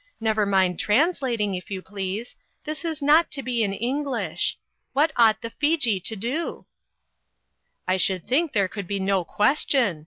Never mind translating, if 3 r ou please ; this was not to be in Eng lish. What ought the Fiji to do?" " I should think there could be no ques tion.